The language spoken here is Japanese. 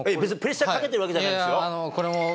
いや、別にプレッシャーかけてるわけじゃないんですよ。